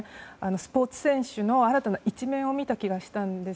スポーツ選手の新たな一面を見た気がしたんです。